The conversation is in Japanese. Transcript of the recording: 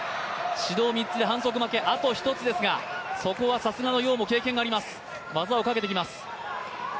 指導３つで反則負け、あと１つですが、そこはさすがの楊も経験があります、技をかけてきます。